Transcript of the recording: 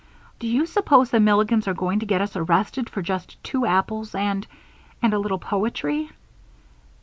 Do you suppose the Milligans are going to get us arrested for just two apples and and a little poetry?"